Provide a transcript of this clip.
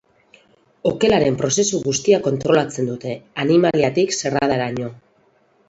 Okelaren prozesu guztia kontrolatzen dute, animaliatik xerradaraino.